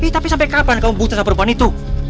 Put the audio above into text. tapi sampai kapan kamu putus sama perban itu